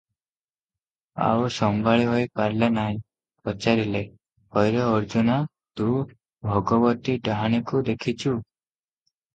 ଆଉ ସମ୍ଭାଳି ହୋଇ ପାରିଲେ ନାହିଁ, ପଚାରିଲେ, "ହୋଇରେ ଅର୍ଜୁନା, ତୁ ଭଗବତୀ ଡାହାଣୀକୁ ଦେଖିଛୁ?"